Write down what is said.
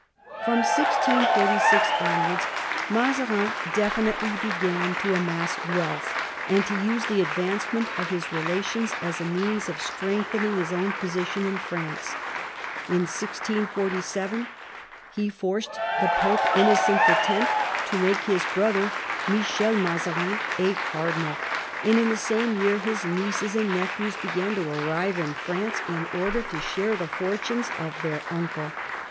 From 1646 onwards Mazarin definitely began to 20 MAZABIN ohap. amass wealth, and to use the advancement of his rela tions as a means of strengthening his own position in France. In 1647 he forced the Pope Innocent X. to make his brother, Michel Mazarin, a cardinal, and in the same year his nieces and nephews began to arrive in France in order to share the fortunes of their uncle.